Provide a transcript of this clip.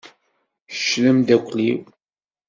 Kečč d amdakel-iw.